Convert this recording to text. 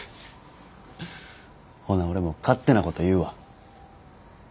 ほな俺も勝手なこと言うわ。